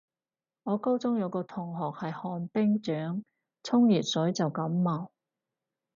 我高中有個同學係寒冰掌，沖熱水就感冒